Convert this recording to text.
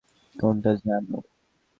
কোনটা, জানু?